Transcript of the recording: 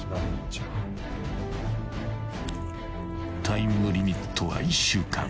［タイムリミットは１週間］